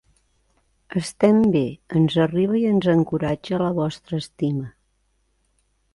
Estem bé, ens arriba i ens encoratja la vostra estima.